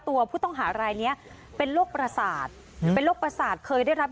ถ้าน้องไม่แกล้งตายมันเขาต้นตาย